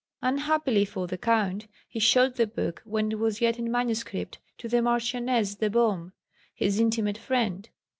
Unhappily for the Count, he showed the book, when it was yet in MS., to the Marchioness de Beaume, his intimate friend.